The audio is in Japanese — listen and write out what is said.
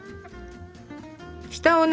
下をね